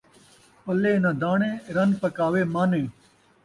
پلے ناں داݨے، رن پکاوے مانے